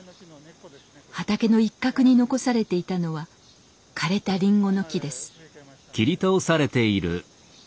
畑の一角に残されていたのは枯れたリンゴの木です。